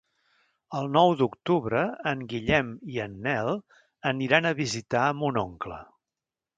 El nou d'octubre en Guillem i en Nel aniran a visitar mon oncle.